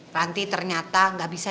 nanti ternyata gak bisa